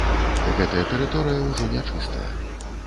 Гэтая тэрыторыя ўжо не чыстая.